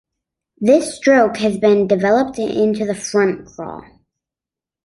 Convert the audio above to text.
This stroke has been developed into the front crawl.